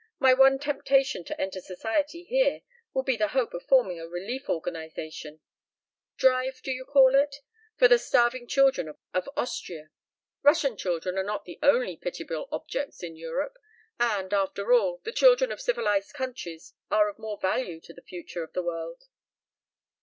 My one temptation to enter Society here would be the hope of forming a relief organization drive, do you call it? for the starving children of Austria. Russian children are not the only pitiable objects in Europe, and after all, the children of civilized countries are of more value to the future of the world."